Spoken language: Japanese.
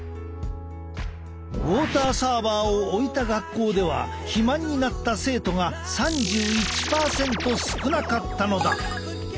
ウォーターサーバーを置いた学校では肥満になった生徒が３１％少なかったのだ。